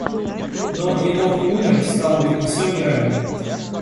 Но Енох не умер, стало быть, не все умирают.